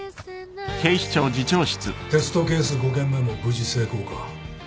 テストケース５件目も無事成功か。